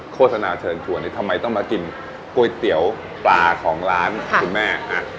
โฆษณาเชิญชวนทำไมต้องมากินก๋วยเตี๋ยวปลาของร้านคุณแม่